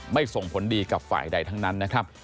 ส่งผลดีกับฝ่ายใดทั้งนั้นนะครับ